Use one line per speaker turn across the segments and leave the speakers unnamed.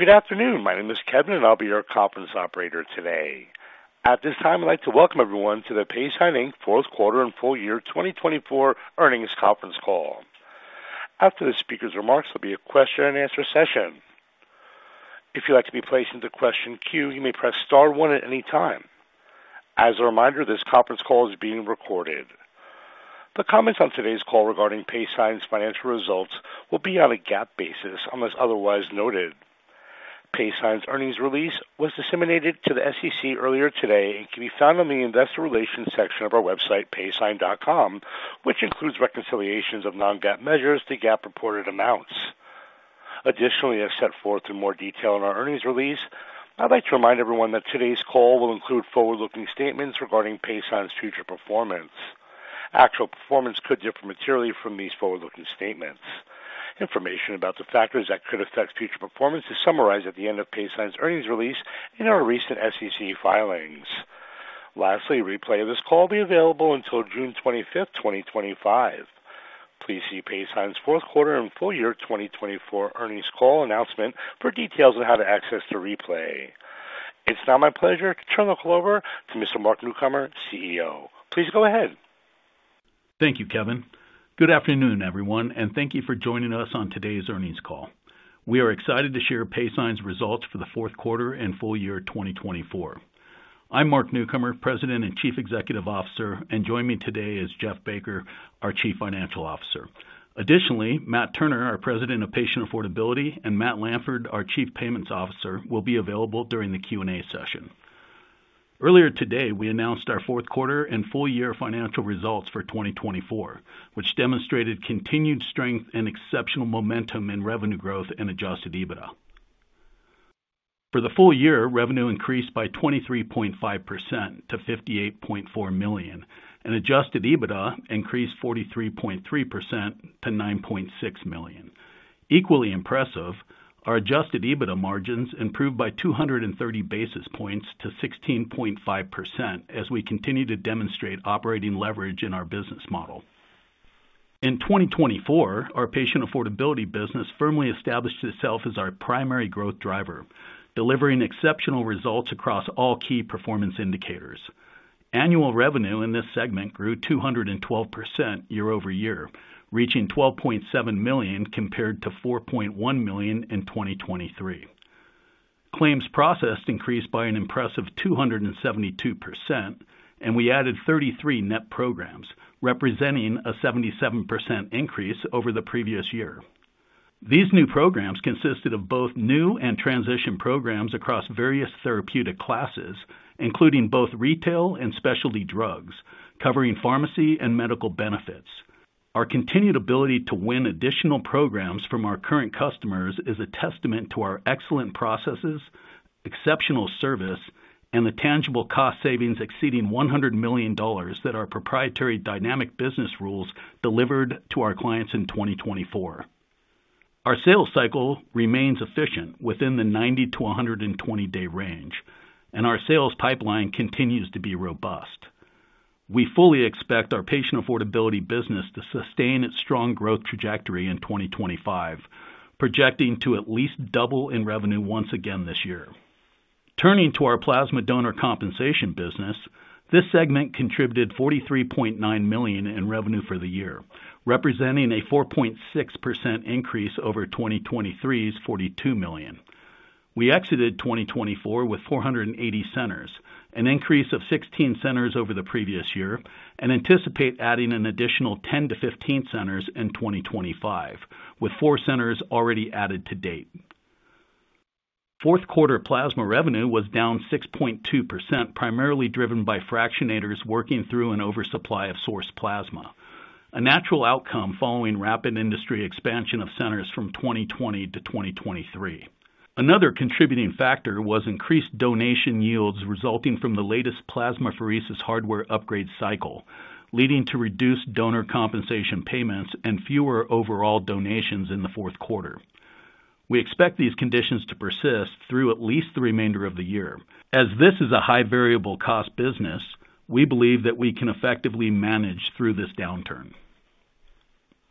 Good afternoon. My name is Kevin, and I'll be your conference operator today. At this time, I'd like to welcome everyone to the Paysign Q4 and Full Year 2024 Earnings Conference Call. After the speaker's remarks, there'll be a question-and-answer session. If you'd like to be placed into question queue, you may press Star 1 at any time. As a reminder, this conference call is being recorded. The comments on today's call regarding Paysign's financial results will be on a GAAP basis unless otherwise noted. Paysign's earnings release was disseminated to the SEC earlier today and can be found on the investor relations section of our website, paysign.com, which includes reconciliations of non-GAAP measures to GAAP-reported amounts. Additionally, as set forth in more detail in our earnings release, I'd like to remind everyone that today's call will include forward-looking statements regarding Paysign's future performance. Actual performance could differ materially from these forward-looking statements. Information about the factors that could affect future performance is summarized at the end of Paysign's earnings release and in our recent SEC filings. Lastly, a replay of this call will be available until June 25th, 2025. Please see Paysign's Q4 and Full Year 2024 Earnings Call announcement for details on how to access the replay. It's now my pleasure to turn the call over to Mr. Mark Newcomer, CEO. Please go ahead.
Thank you, Kevin. Good afternoon, everyone, and thank you for joining us on today's earnings call. We are excited to share Paysign's results for the Q4 and Full Year 2024. I'm Mark Newcomer, President and Chief Executive Officer, and joining me today is Jeff Baker, our Chief Financial Officer. Additionally, Matt Turner, our President of Patient Affordability, and Matt Lanford, our Chief Payments Officer, will be available during the Q&A session. Earlier today, we announced our Q4 and full year financial results for 2024, which demonstrated continued strength and exceptional momentum in revenue growth and adjusted EBITDA. For the full year, revenue increased by 23.5% to $58.4 million, and adjusted EBITDA increased 43.3% to $9.6 million. Equally impressive, our adjusted EBITDA margins improved by 230 basis points to 16.5% as we continue to demonstrate operating leverage in our business model. In 2024, our patient affordability business firmly established itself as our primary growth driver, delivering exceptional results across all key performance indicators. Annual revenue in this segment grew 212% year-over-year, reaching $12.7 million compared to $4.1 million in 2023. Claims processed increased by an impressive 272%, and we added 33 net programs, representing a 77% increase over the previous year. These new programs consisted of both new and transition programs across various therapeutic classes, including both retail and specialty drugs, covering pharmacy and medical benefits. Our continued ability to win additional programs from our current customers is a testament to our excellent processes, exceptional service, and the tangible cost savings exceeding $100 million that our proprietary dynamic business rules delivered to our clients in 2024. Our sales cycle remains efficient within the 90-120 day range, and our sales pipeline continues to be robust. We fully expect our patient affordability business to sustain its strong growth trajectory in 2025, projecting to at least double in revenue once again this year. Turning to our plasma donor compensation business, this segment contributed $43.9 million in revenue for the year, representing a 4.6% increase over 2023's $42 million. We exited 2024 with 480 centers, an increase of 16 centers over the previous year, and anticipate adding an additional 10-15 centers in 2025, with 4 centers already added to date. Q4 plasma revenue was down 6.2%, primarily driven by fractionators working through an oversupply of source plasma, a natural outcome following rapid industry expansion of centers from 2020 to 2023. Another contributing factor was increased donation yields resulting from the latest plasmapheresis hardware upgrade cycle, leading to reduced donor compensation payments and fewer overall donations in the Q4. We expect these conditions to persist through at least the remainder of the year. As this is a high-variable cost business, we believe that we can effectively manage through this downturn.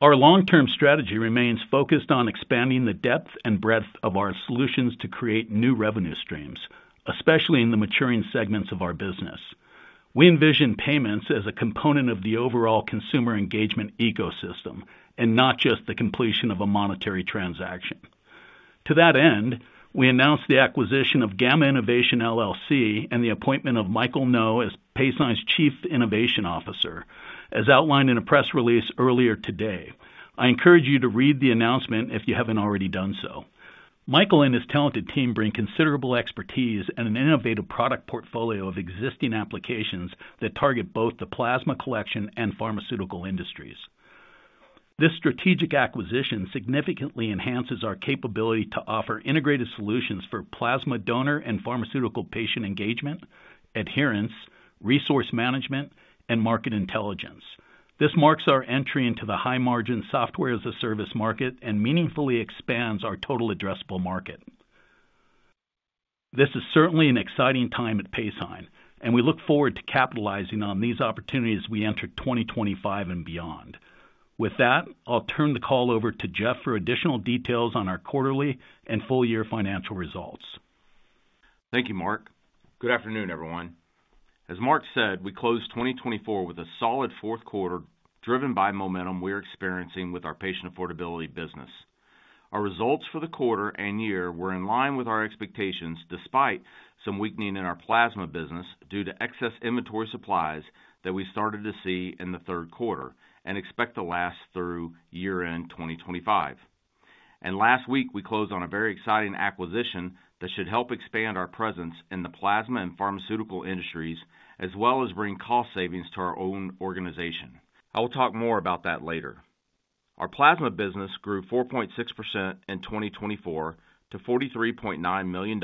Our long-term strategy remains focused on expanding the depth and breadth of our solutions to create new revenue streams, especially in the maturing segments of our business. We envision payments as a component of the overall consumer engagement ecosystem and not just the completion of a monetary transaction. To that end, we announced the acquisition of Gamma Innovations and the appointment of Michael Noh as Paysign's Chief Innovation Officer, as outlined in a press release earlier today. I encourage you to read the announcement if you have not already done so. Michael and his talented team bring considerable expertise and an innovative product portfolio of existing applications that target both the plasma collection and pharmaceutical industries. This strategic acquisition significantly enhances our capability to offer integrated solutions for plasma donor and pharmaceutical patient engagement, adherence, resource management, and market intelligence. This marks our entry into the high-margin software-as-a-service market and meaningfully expands our total addressable market. This is certainly an exciting time at Paysign, and we look forward to capitalizing on these opportunities as we enter 2025 and beyond. With that, I'll turn the call over to Jeff for additional details on our quarterly and full-year financial results.
Thank you, Mark. Good afternoon, everyone. As Mark said, we closed 2024 with a solid Q4 driven by momentum we're experiencing with our patient affordability business. Our results for the quarter and year were in line with our expectations despite some weakening in our plasma business due to excess inventory supplies that we started to see in the Q3 and expect to last through year-end 2025. Last week, we closed on a very exciting acquisition that should help expand our presence in the plasma and pharmaceutical industries as well as bring cost savings to our own organization. I will talk more about that later. Our plasma business grew 4.6% in 2024 to $43.9 million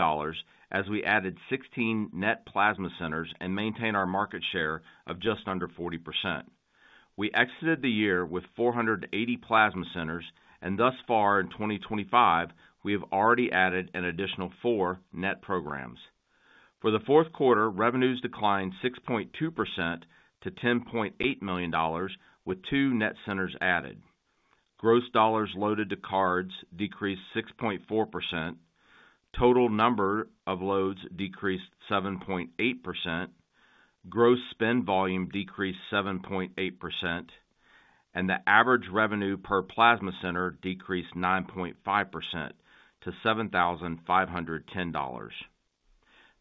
as we added 16 net plasma centers and maintained our market share of just under 40%. We exited the year with 480 plasma centers, and thus far in 2025, we have already added an additional four net programs. For the Q4, revenues declined 6.2% to $10.8 million with two net centers added. Gross dollars loaded to cards decreased 6.4%, total number of loads decreased 7.8%, gross spend volume decreased 7.8%, and the average revenue per plasma center decreased 9.5% to $7,510.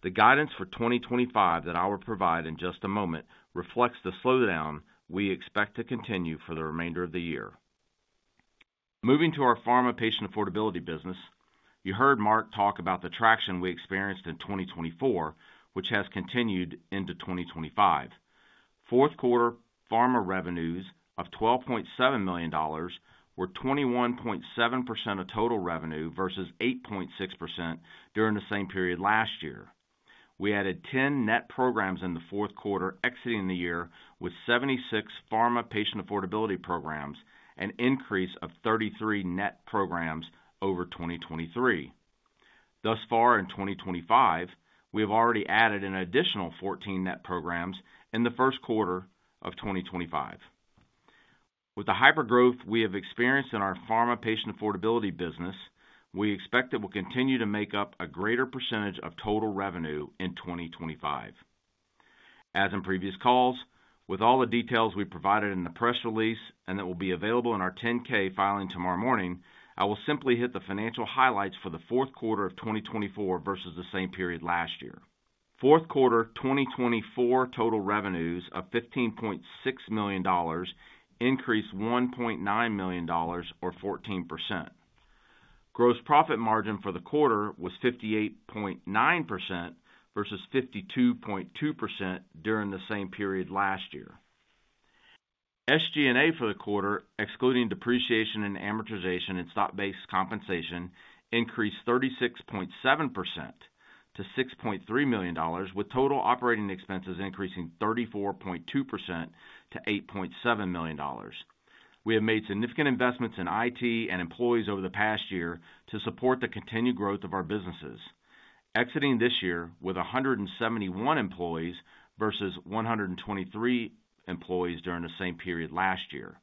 The guidance for 2025 that I will provide in just a moment reflects the slowdown we expect to continue for the remainder of the year. Moving to our pharma patient affordability business, you heard Mark talk about the traction we experienced in 2024, which has continued into 2025. Q4 pharma revenues of $12.7 million were 21.7% of total revenue versus 8.6% during the same period last year. We added 10 net programs in the Q4 exiting the year with 76 pharma patient affordability programs and an increase of 33 net programs over 2023. Thus far in 2025, we have already added an additional 14 net programs in the Q1 of 2025. With the hypergrowth we have experienced in our pharma patient affordability business, we expect that we'll continue to make up a greater percentage of total revenue in 2025. As in previous calls, with all the details we provided in the press release and that will be available in our 10-K filing tomorrow morning, I will simply hit the financial highlights for the Q4 of 2024 versus the same period last year. Q4 2024 total revenues of $15.6 million increased $1.9 million or 14%. Gross profit margin for the quarter was 58.9% versus 52.2% during the same period last year. SG&A for the quarter, excluding depreciation and amortization and stock-based compensation, increased 36.7% to $6.3 million, with total operating expenses increasing 34.2% to $8.7 million. We have made significant investments in IT and employees over the past year to support the continued growth of our businesses, exiting this year with 171 employees versus 123 employees during the same period last year.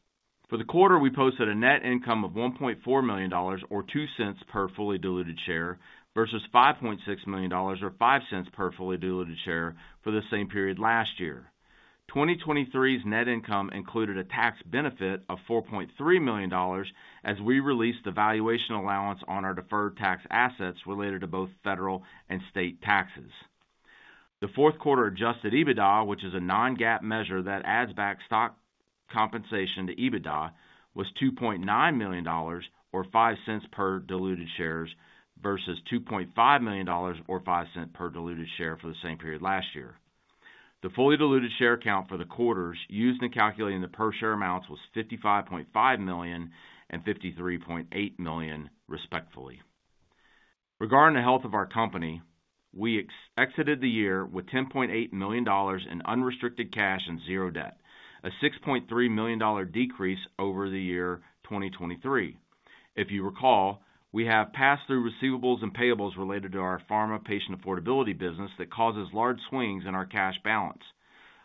For the quarter, we posted a net income of $1.4 million or $0.02 per fully diluted share versus $5.6 million or $0.05 per fully diluted share for the same period last year. 2023's net income included a tax benefit of $4.3 million as we released the valuation allowance on our deferred tax assets related to both federal and state taxes. The Q4 adjusted EBITDA, which is a non-GAAP measure that adds back stock compensation to EBITDA, was $2.9 million or $0.05 per diluted share versus $2.5 million or $0.05 per diluted share for the same period last year. The fully diluted share count for the quarters used in calculating the per-share amounts was 55.5 million and 53.8 million respectively. Regarding the health of our company, we exited the year with $10.8 million in unrestricted cash and zero debt, a $6.3 million decrease over the year 2023. If you recall, we have pass-through receivables and payables related to our pharma patient affordability business that causes large swings in our cash balance.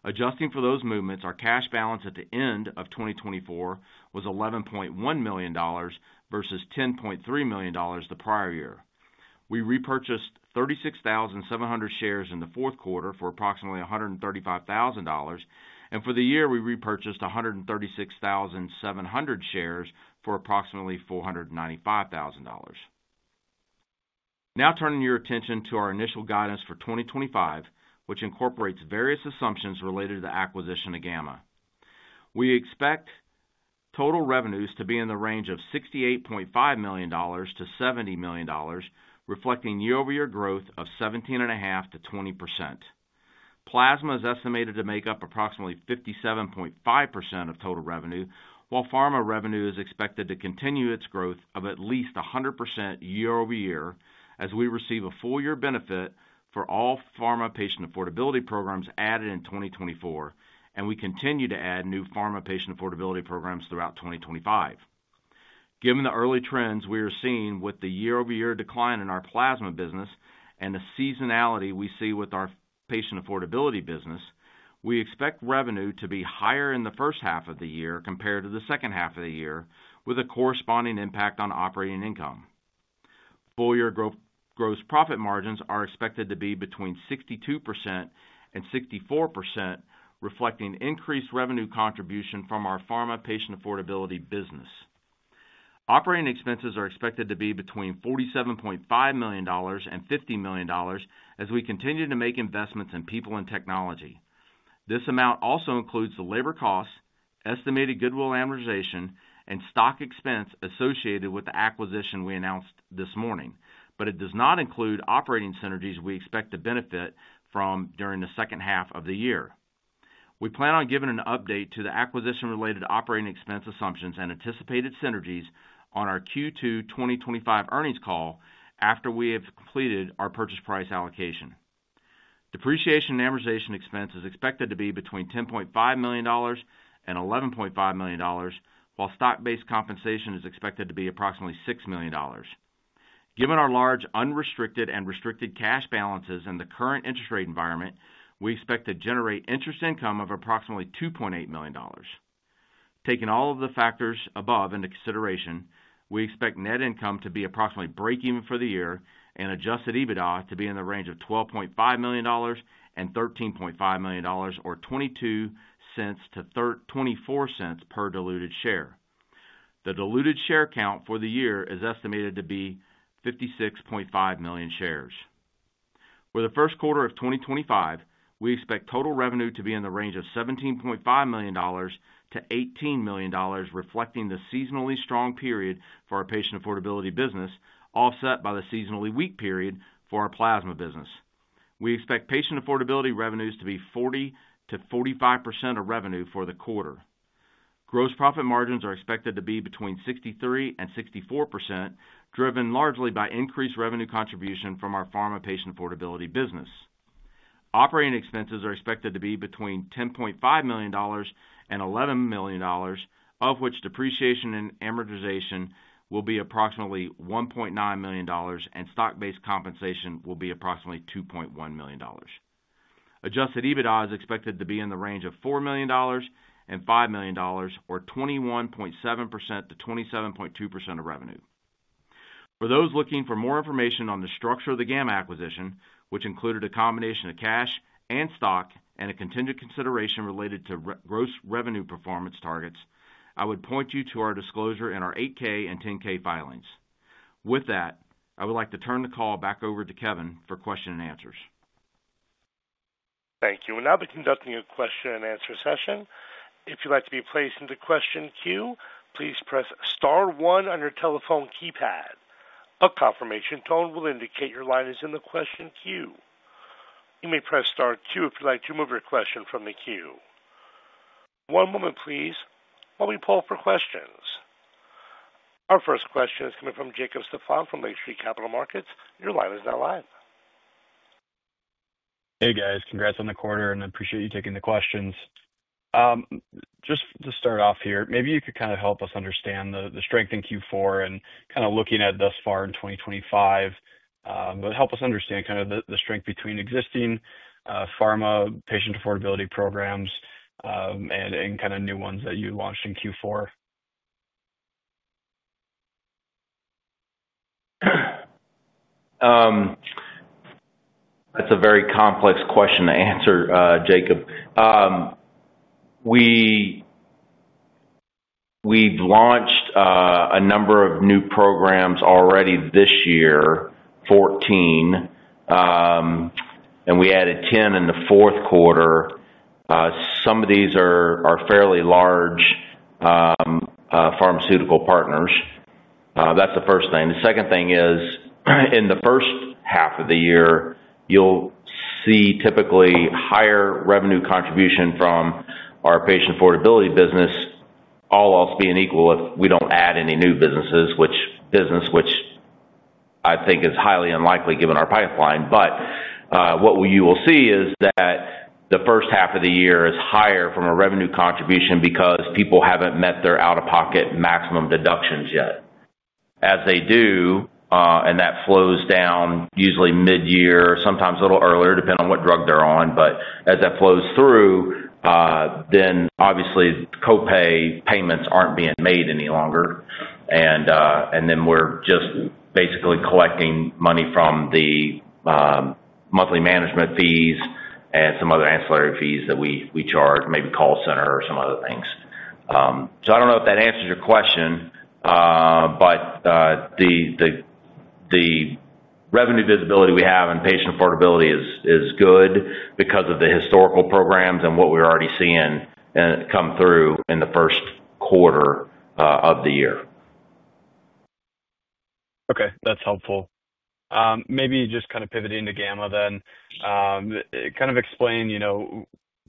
Adjusting for those movements, our cash balance at the end of 2024 was $11.1 million versus $10.3 million the prior year. We repurchased 36,700 shares in the Q4 for approximately $135,000, and for the year, we repurchased 136,700 shares for approximately $495,000. Now turning your attention to our initial guidance for 2025, which incorporates various assumptions related to the acquisition of Gamma. We expect total revenues to be in the range of $68.5 million-$70 million, reflecting year-over-year growth of 17.5%-20%. Plasma is estimated to make up approximately 57.5% of total revenue, while pharma revenue is expected to continue its growth of at least 100% year-over-year as we receive a full-year benefit for all pharma patient affordability programs added in 2024, and we continue to add new pharma patient affordability programs throughout 2025. Given the early trends we are seeing with the year-over-year decline in our plasma business and the seasonality we see with our patient affordability business, we expect revenue to be higher in the first half of the year compared to the second half of the year, with a corresponding impact on operating income. Full-year gross profit margins are expected to be between 62%-64%, reflecting increased revenue contribution from our pharma patient affordability business. Operating expenses are expected to be between $47.5 million-$50 million as we continue to make investments in people and technology. This amount also includes the labor costs, estimated goodwill amortization, and stock expense associated with the acquisition we announced this morning, but it does not include operating synergies we expect to benefit from during the second half of the year. We plan on giving an update to the acquisition-related operating expense assumptions and anticipated synergies on our Q2 2025 earnings call after we have completed our purchase price allocation. Depreciation and amortization expense is expected to be between $10.5 million-$11.5 million, while stock-based compensation is expected to be approximately $6 million. Given our large unrestricted and restricted cash balances and the current interest rate environment, we expect to generate interest income of approximately $2.8 million. Taking all of the factors above into consideration, we expect net income to be approximately break-even for the year and adjusted EBITDA to be in the range of $12.5 million-$13.5 million or $0.22-$0.24 per diluted share. The diluted share count for the year is estimated to be 56.5 million shares. For the Q1 of 2025, we expect total revenue to be in the range of $17.5 million-$18 million, reflecting the seasonally strong period for our patient affordability business offset by the seasonally weak period for our plasma business. We expect patient affordability revenues to be 40%-45% of revenue for the quarter. Gross profit margins are expected to be between 63%-64%, driven largely by increased revenue contribution from our pharma patient affordability business. Operating expenses are expected to be between $10.5 million and $11 million, of which depreciation and amortization will be approximately $1.9 million and stock-based compensation will be approximately $2.1 million. Adjusted EBITDA is expected to be in the range of $4 million and $5 million or 21.7%-27.2% of revenue. For those looking for more information on the structure of the Gamma acquisition, which included a combination of cash and stock and a contingent consideration related to gross revenue performance targets, I would point you to our disclosure in our 8-K and 10-K filings. With that, I would like to turn the call back over to Kevin for question and answers.
Thank you. Now begin the question and answer session. If you'd like to be placed in the question queue, please press Star 1 on your telephone keypad. A confirmation tone will indicate your line is in the question queue. You may press Star 2 if you'd like to remove your question from the queue. One moment, please, while we pull up our questions. Our first question is coming from Jacob Stephan from Lake Street Capital Markets. Your line is now live.
Hey, guys. Congrats on the quarter, and I appreciate you taking the questions. Just to start off here, maybe you could kind of help us understand the strength in Q4 and kind of looking at thus far in 2025. Help us understand kind of the strength between existing pharma patient affordability programs and kind of new ones that you launched in Q4.
That's a very complex question to answer, Jacob. We've launched a number of new programs already this year, 14, and we added 10 in the Q4. Some of these are fairly large pharmaceutical partners. That's the first thing. The second thing is, in the first half of the year, you'll see typically higher revenue contribution from our patient affordability business, all else being equal if we don't add any new businesses, which I think is highly unlikely given our pipeline. What you will see is that the first half of the year is higher from a revenue contribution because people haven't met their out-of-pocket maximum deductions yet. As they do, and that flows down usually mid-year, sometimes a little earlier depending on what drug they're on. As that flows through, then obviously copay payments aren't being made any longer. We're just basically collecting money from the monthly management fees and some other ancillary fees that we charge, maybe call center or some other things. I don't know if that answers your question, but the revenue visibility we have in patient affordability is good because of the historical programs and what we're already seeing come through in the Q1 of the year.
Okay. That's helpful. Maybe just kind of pivoting to Gamma then, kind of explain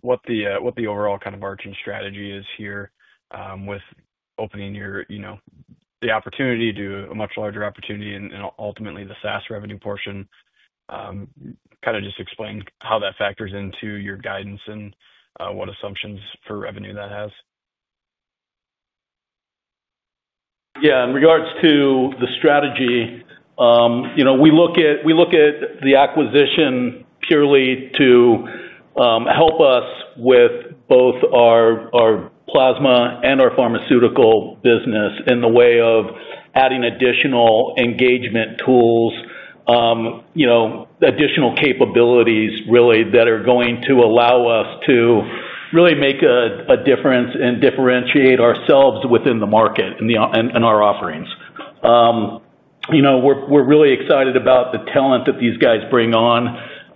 what the overall kind of margin strategy is here with opening the opportunity to a much larger opportunity and ultimately the SaaS revenue portion. Kind of just explain how that factors into your guidance and what assumptions for revenue that has.
Yeah. In regards to the strategy, we look at the acquisition purely to help us with both our plasma and our pharmaceutical business in the way of adding additional engagement tools, additional capabilities really that are going to allow us to really make a difference and differentiate ourselves within the market and our offerings. We're really excited about the talent that these guys bring on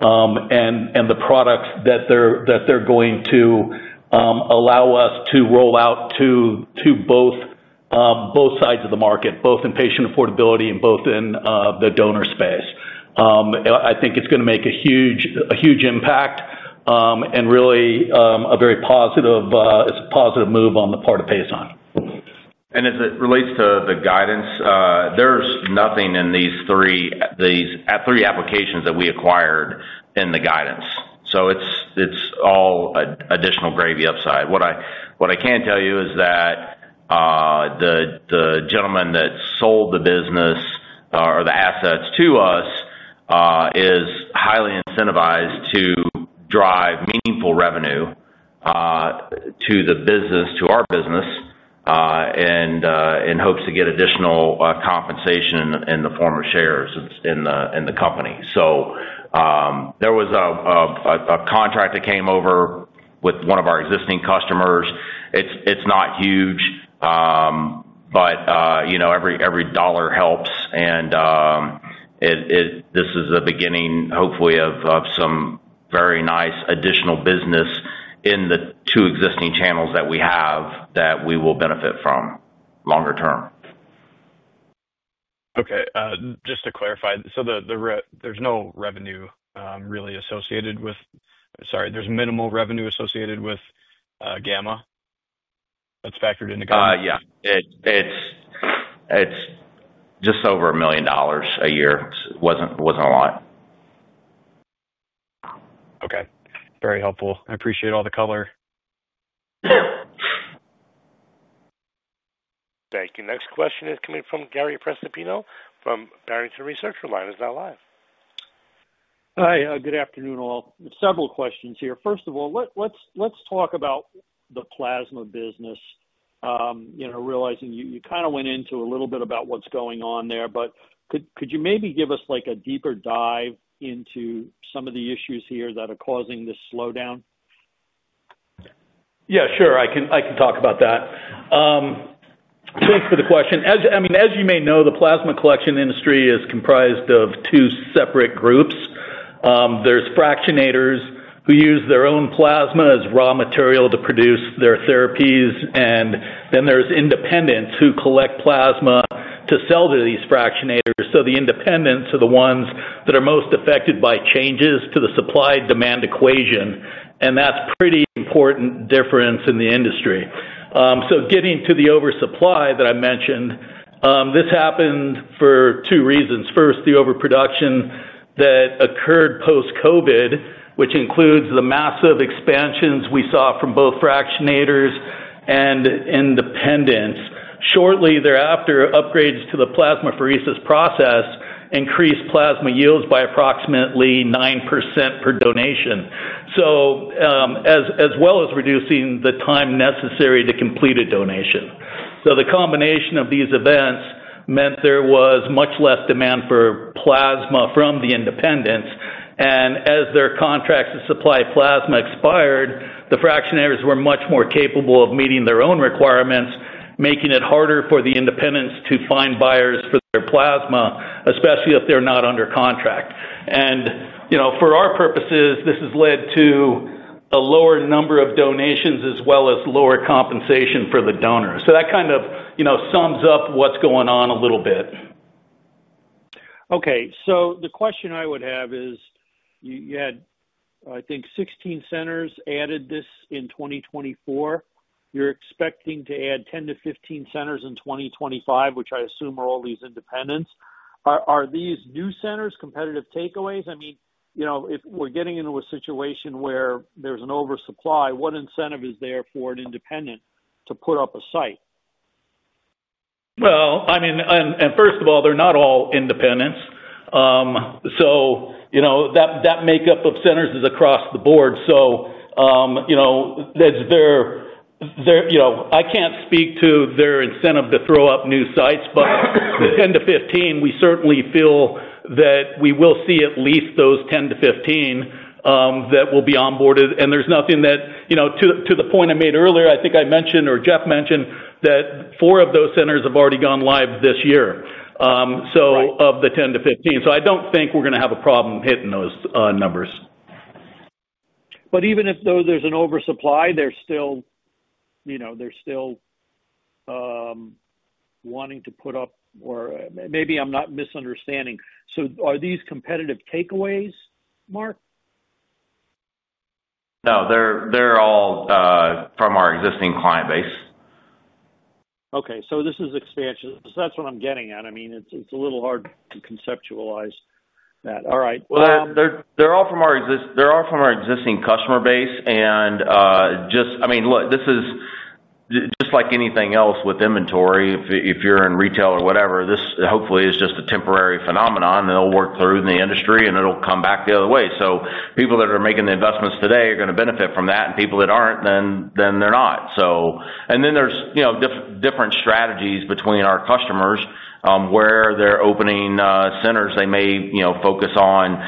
and the products that they're going to allow us to roll out to both sides of the market, both in patient affordability and both in the donor space. I think it's going to make a huge impact and really a very positive move on the part of Paysign.
As it relates to the guidance, there's nothing in these three applications that we acquired in the guidance. It's all additional gravy upside. What I can tell you is that the gentleman that sold the business or the assets to us is highly incentivized to drive meaningful revenue to the business, to our business, in hopes to get additional compensation in the form of shares in the company. There was a contract that came over with one of our existing customers. It's not huge, but every dollar helps. This is the beginning, hopefully, of some very nice additional business in the two existing channels that we have that we will benefit from longer term.
Okay. Just to clarify, so there's no revenue really associated with—sorry, there's minimal revenue associated with Gamma that's factored into Gamma?
Yeah. It's just over $1 million a year. It wasn't a lot.
Okay. Very helpful. I appreciate all the color.
Thank you. Next question is coming from Gary Prestopino from Barrington Research. Your line is now live.
Hi. Good afternoon all. Several questions here. First of all, let's talk about the plasma business. Realizing you kind of went into a little bit about what's going on there, but could you maybe give us a deeper dive into some of the issues here that are causing this slowdown?
Yeah, sure. I can talk about that. Thanks for the question. I mean, as you may know, the plasma collection industry is comprised of two separate groups. There's fractionators who use their own plasma as raw material to produce their therapies, and then there's independents who collect plasma to sell to these fractionators. The independents are the ones that are most affected by changes to the supply-demand equation, and that's a pretty important difference in the industry. Getting to the oversupply that I mentioned, this happened for two reasons. First, the overproduction that occurred post-COVID, which includes the massive expansions we saw from both fractionators and independents. Shortly thereafter, upgrades to the plasmapheresis process increased plasma yields by approximately 9% per donation, as well as reducing the time necessary to complete a donation. The combination of these events meant there was much less demand for plasma from the independents. As their contracts to supply plasma expired, the fractionators were much more capable of meeting their own requirements, making it harder for the independents to find buyers for their plasma, especially if they're not under contract. For our purposes, this has led to a lower number of donations as well as lower compensation for the donors. That kind of sums up what's going on a little bit.
Okay. The question I would have is, you had, I think, 16 centers added this in 2024. You're expecting to add 10-15 centers in 2025, which I assume are all these independents. Are these new centers competitive takeaways? I mean, if we're getting into a situation where there's an oversupply, what incentive is there for an independent to put up a site?
I mean, and first of all, they're not all independents. That makeup of centers is across the board. I can't speak to their incentive to throw up new sites, but 10-15, we certainly feel that we will see at least those 10-15 that will be onboarded. There's nothing that, to the point I made earlier, I think I mentioned or Jeff mentioned, that four of those centers have already gone live this year of the 10-15. I don't think we're going to have a problem hitting those numbers.
Even if there's an oversupply, they're still wanting to put up—or maybe I'm not misunderstanding. Are these competitive takeaways, Mark?
No. They're all from our existing client base.
Okay. This is expansion. That is what I'm getting at. I mean, it's a little hard to conceptualize that. All right.
They are all from our existing customer base. I mean, look, this is just like anything else with inventory. If you are in retail or whatever, this hopefully is just a temporary phenomenon, and it will work through in the industry, and it will come back the other way. People that are making the investments today are going to benefit from that, and people that are not, then they are not. There are different strategies between our customers where they are opening centers. They may focus on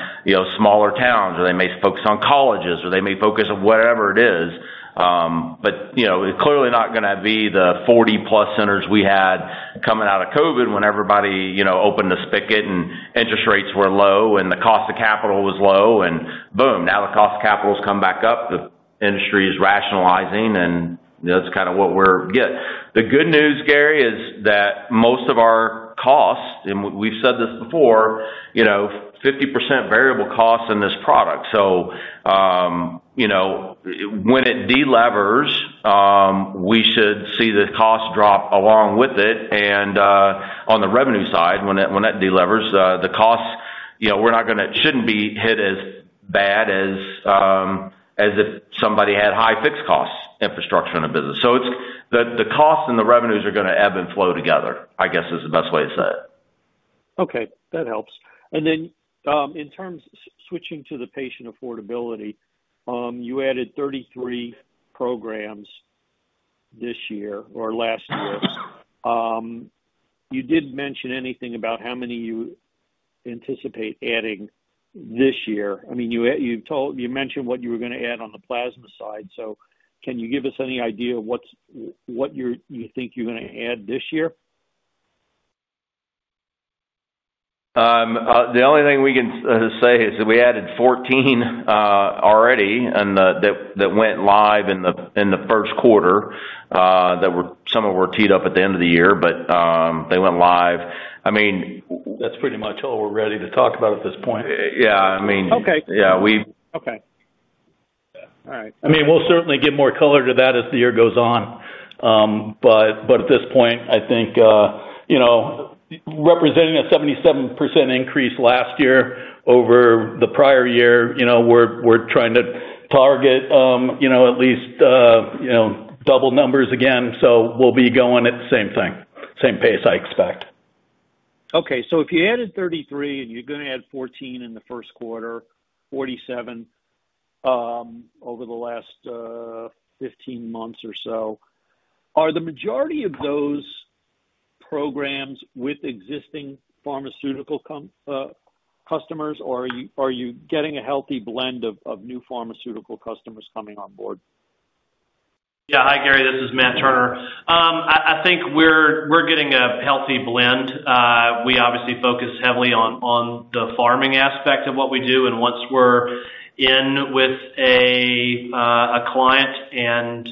smaller towns, or they may focus on colleges, or they may focus on whatever it is. It is clearly not going to be the 40-plus centers we had coming out of COVID when everybody opened to spigot and interest rates were low and the cost of capital was low. Now the cost of capital has come back up. The industry is rationalizing, and that's kind of what we're getting. The good news, Gary, is that most of our costs—and we've said this before—50% variable costs in this product. When it delevers, we should see the cost drop along with it. On the revenue side, when that delevers, the costs—we're not going to—it shouldn't be hit as bad as if somebody had high fixed cost infrastructure in a business. The costs and the revenues are going to ebb and flow together, I guess, is the best way to say it.
Okay. That helps. In terms of switching to the patient affordability, you added 33 programs this year or last year. You did not mention anything about how many you anticipate adding this year. I mean, you mentioned what you were going to add on the plasma side. Can you give us any idea of what you think you are going to add this year?
The only thing we can say is that we added 14 already that went live in the Q1. Some of them were teed up at the end of the year, but they went live. I mean.
That's pretty much all we're ready to talk about at this point.
Yeah, I mean, yeah.
Okay. All right.
I mean, we'll certainly get more color to that as the year goes on. At this point, I think representing a 77% increase last year over the prior year, we're trying to target at least double numbers again. We'll be going at the same thing, same pace, I expect.
Okay. If you added 33 and you're going to add 14 in the Q1, 47 over the last 15 months or so, are the majority of those programs with existing pharmaceutical customers, or are you getting a healthy blend of new pharmaceutical customers coming on board?
Yeah. Hi, Gary. This is Matt Turner. I think we're getting a healthy blend. We obviously focus heavily on the farming aspect of what we do. Once we're in with a client and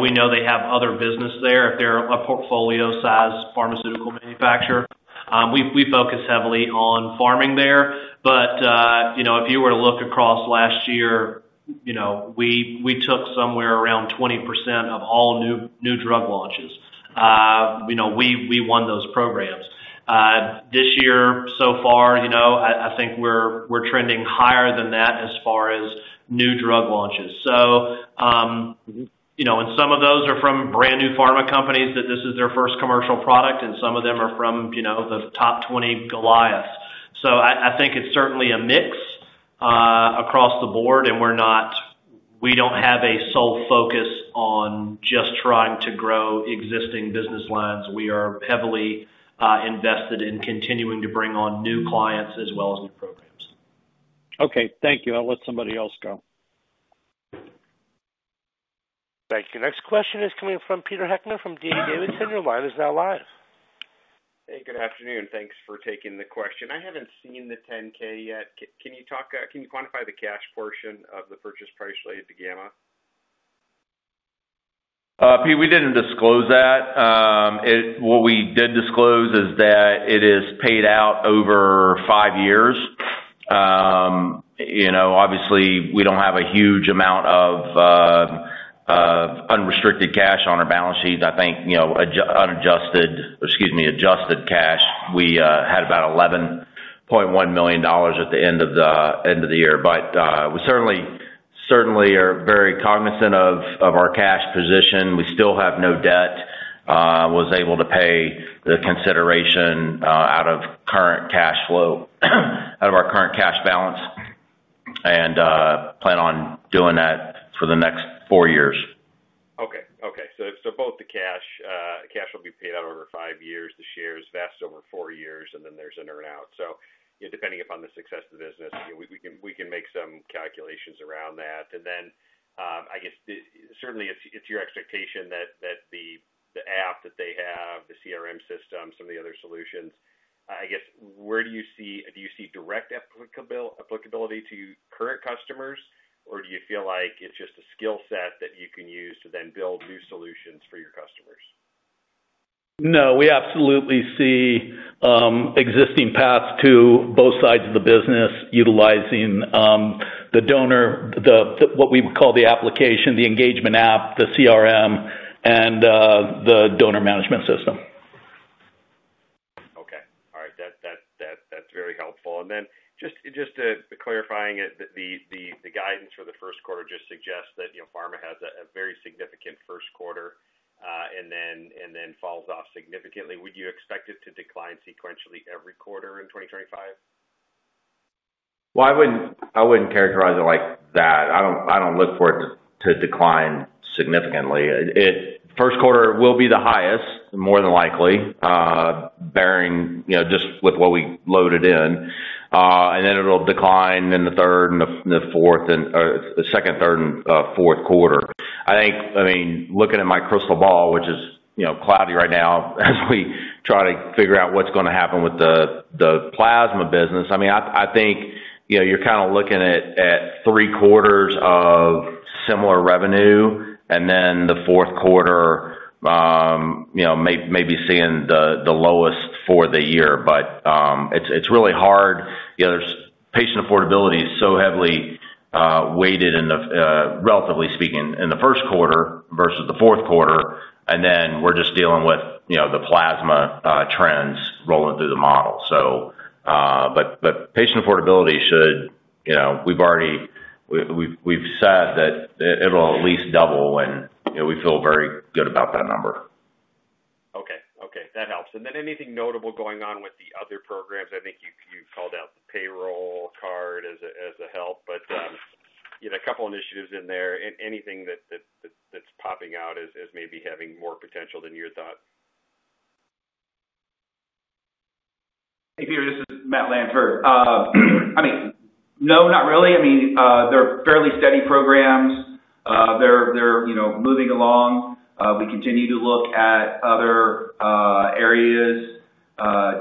we know they have other business there, if they're a portfolio-sized pharmaceutical manufacturer, we focus heavily on farming there. If you were to look across last year, we took somewhere around 20% of all new drug launches. We won those programs. This year, so far, I think we're trending higher than that as far as new drug launches. Some of those are from brand new pharma companies that this is their first commercial product, and some of them are from the top 20 Goliaths. I think it's certainly a mix across the board, and we don't have a sole focus on just trying to grow existing business lines. We are heavily invested in continuing to bring on new clients as well as new programs.
Okay. Thank you. I'll let somebody else go.
Thank you. Next question is coming from Peter Heckmann from D.A. Davidson. Your line is now live.
Hey, good afternoon. Thanks for taking the question. I haven't seen the 10-K yet. Can you quantify the cash portion of the purchase price related to Gamma?
Pete, we did not disclose that. What we did disclose is that it is paid out over five years. Obviously, we do not have a huge amount of unrestricted cash on our balance sheet. I think adjusted cash, we had about $11.1 million at the end of the year. We certainly are very cognizant of our cash position. We still have no debt. I was able to pay the consideration out of current cash flow, out of our current cash balance, and plan on doing that for the next four years.
Okay. Okay. Both the cash will be paid out over five years. The shares vest over four years, and then there's an earn-out. Depending upon the success of the business, we can make some calculations around that. I guess certainly it's your expectation that the app that they have, the CRM system, some of the other solutions, I guess, where do you see—do you see direct applicability to current customers, or do you feel like it's just a skill set that you can use to then build new solutions for your customers?
No. We absolutely see existing paths to both sides of the business utilizing the donor, what we would call the application, the engagement app, the CRM, and the donor management system.
Okay. All right. That's very helpful. Just clarifying it, the guidance for the Q1 just suggests that pharma has a very significant Q1 and then falls off significantly. Would you expect it to decline sequentially every quarter in 2025?
I wouldn't characterize it like that. I don't look for it to decline significantly. Q1 will be the highest, more than likely, just with what we loaded in. Then it'll decline in the second, third, and Q4. I mean, looking at my crystal ball, which is cloudy- right now as we try to figure out what's going to happen with the plasma business, I think you're kind of looking at three quarters of similar revenue, and then the Q4, maybe seeing the lowest for the year. It's really hard. Patient affordability is so heavily weighted, relatively speaking, in the Q1 versus the Q4. We're just dealing with the plasma trends rolling through the model. Patient affordability should—we've said that it'll at least double, and we feel very good about that number.
Okay. Okay. That helps. Anything notable going on with the other programs? I think you've called out the payroll card as a help, but a couple of initiatives in there. Anything that's popping out as maybe having more potential than you thought?
Hey, Peter. This is Matt Lanford. I mean, no, not really. I mean, they're fairly steady programs. They're moving along. We continue to look at other areas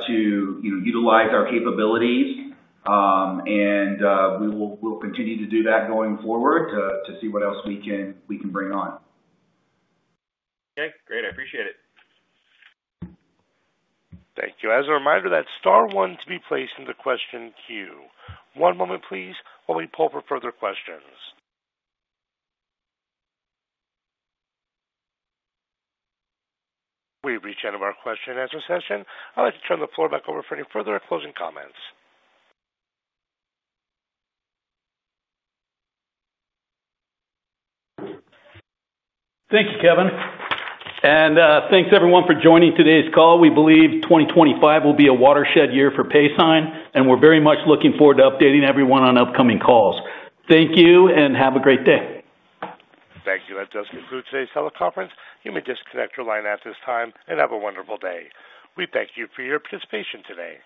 to utilize our capabilities, and we'll continue to do that going forward to see what else we can bring on.
Okay. Great. I appreciate it.
Thank you. As a reminder, that is Star 1 to be placed into the question queue. One moment, please, while we poll for further questions. We've reached the end of our question-and-answer session. I'd like to turn the floor back over for any further closing comments.
Thank you, Kevin. Thank you, everyone, for joining today's call. We believe 2025 will be a watershed year for Paysign, and we're very much looking forward to updating everyone on upcoming calls. Thank you, and have a great day.
Thank you. That does conclude today's teleconference. You may disconnect your line at this time and have a wonderful day. We thank you for your participation today.